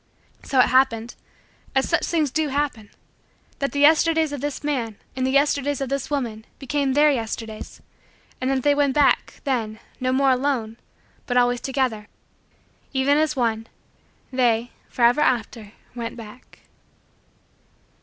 So it happened as such things do happen that the Yesterdays of this man and the Yesterdays of this woman became Their Yesterdays, and that they went back, then, no more alone but always together. Even as one, they, forever after, went back.